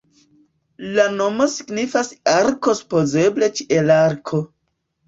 La nomo signifas "arko", supozeble "ĉielarko".